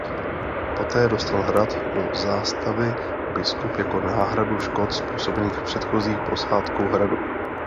Poté dostal hrad do zástavy biskup jako náhradu škod způsobených předchozí posádkou hradu.